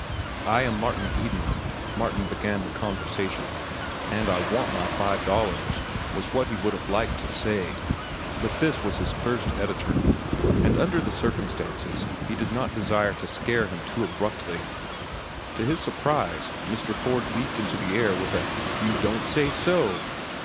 "I—I am Martin Eden," Martin began the conversation. ("And I want my five dollars," was what he would have liked to say.) But this was his first editor, and under the circumstances he did not desire to scare him too abruptly. To his surprise, Mr. Ford leaped into the air with a "You don't say so!"